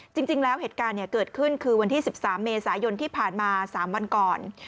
จริงแล้วเหตุการณ์เกิดขึ้นคือวันที่๑๓เมษายนที่ผ่านมา๓วันก่อน